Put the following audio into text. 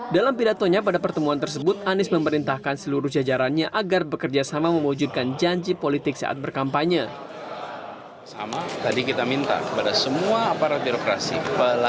dalam pidatonya pada pertemuan tersebut anies memerintahkan seluruh jajarannya agar bekerja sama mewujudkan janji politik saat berkampanye